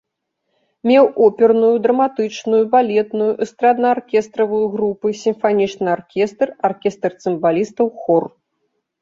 Меў оперную, драматычную, балетную, эстрадна-аркестравую групы, сімфанічны аркестр, аркестр цымбалістаў, хор.